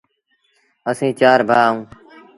اسيٚݩ چآر ڀآ اَهوݩ،